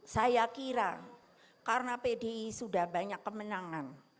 saya kira karena pdi sudah banyak kemenangan